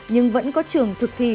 nhưng vẫn có trường thực hiện